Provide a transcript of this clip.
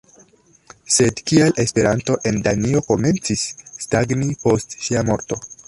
Sed kial Esperanto en Danio komencis stagni post ŝia morto?